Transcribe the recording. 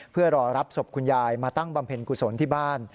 เพื่อรอรับศพคุณยายมาตั้งบำเพ็ญกุศลที่บ้าน